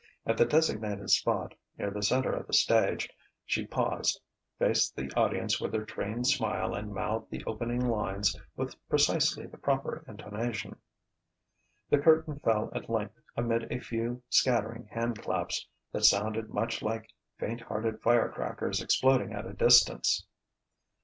At the designated spot, near the centre of the stage, she paused, faced the audience with her trained smile and mouthed the opening lines with precisely the proper intonation.... The curtain fell at length amid a few, scattering hand claps that sounded much like faint hearted firecrackers exploding at a distance.